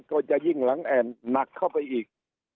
ก็จะยิ่งหลังแอ่นหนักเข้าไปอีก